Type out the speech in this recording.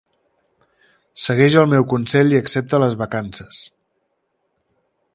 Segueix el meu consell i accepta les vacances.